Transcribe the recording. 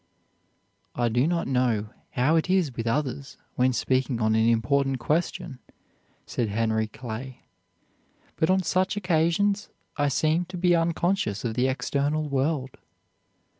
"I do not know how it is with others when speaking on an important question," said Henry Clay; "but on such occasions I seem to be unconscious of the external world.